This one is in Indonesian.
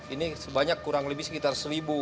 ini sebanyak kurang lebih sekitar seribu